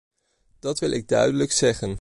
Dat wil ik duidelijk zeggen.